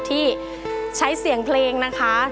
ที่ใช้เสียงเพลงนะคะ